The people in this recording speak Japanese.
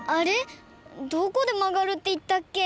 どこでまがるっていったっけ？